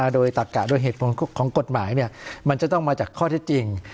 โดยเหตุของกฎหมายเนี่ยมันจะต้องมาจากข้อเท็จจริง